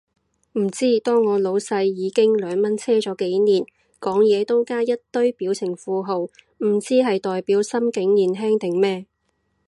唔知，當我老細已經兩蚊車咗幾年，講嘢都加一堆表情符號，唔知係代表心境年輕定咩